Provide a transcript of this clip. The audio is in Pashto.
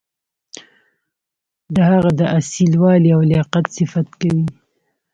د هغه د اصیل والي او لیاقت صفت کوي.